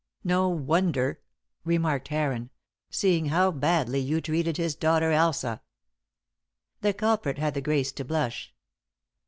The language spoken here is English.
"No wonder," remarked Heron, "seeing how badly you treated his daughter Elsa." The culprit had the grace to blush.